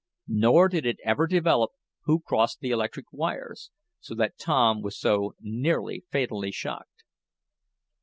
Nor did it ever develop who crossed the electric wires, so that Tom was so nearly fatally shocked.